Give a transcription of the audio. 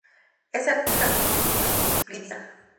Es artista multidisciplinar.